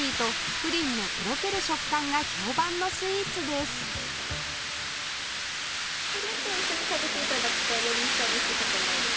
プリンと一緒に食べて頂くとより一層美味しいかと思います。